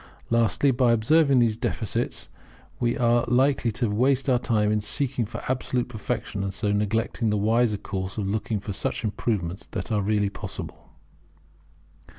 Lastly, by observing these defects we are less likely to waste our time in seeking for absolute perfection, and so neglecting the wiser course of looking for such improvements as are really possible.